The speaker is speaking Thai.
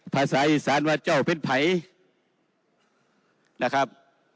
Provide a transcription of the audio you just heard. ภาษาอีสานวาตเจ้าเป็นไผนะครับ